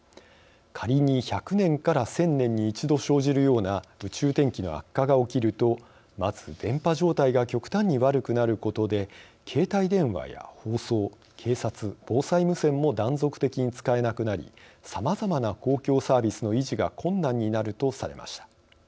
仮に１００１０００年に１度生じるような宇宙天気の悪化が起きるとまず電波状態が極端に悪くなることで携帯電話や放送警察・防災無線も断続的に使えなくなりさまざまな公共サービスの維持が困難になるとされました。